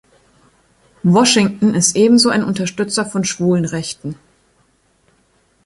Washington ist ebenso ein Unterstützer von Schwulenrechten.